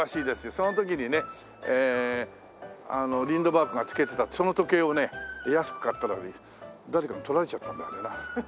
その時にねリンドバーグが着けてたその時計をね安く買ったらね誰かに取られちゃったんだっけな？